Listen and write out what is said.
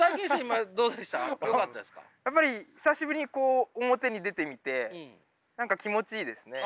やっぱり久しぶりにこう表に出てみて何か気持ちいいですね。